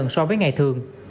so với ngày thường